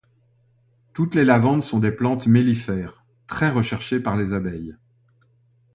Toutes les lavandes sont des plantes mellifères, très recherchées par les abeilles.